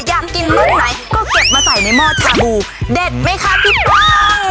อยากกินลูกไหนก็เก็บมาใส่ในหม้อชาบูเด็ดไหมคะพี่ป้อง